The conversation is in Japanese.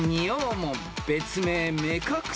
門別名目隠し門］